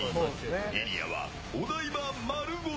エリアは、お台場丸ごと。